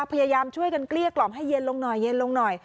พยายามช่วยกันเกลี้ยกล่อมให้เย็นลงหน่อยเย็นลงหน่อย